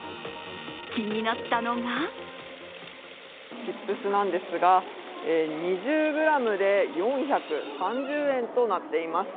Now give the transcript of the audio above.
気になったのがチップスなんですが２０ｇで４３０円となっています。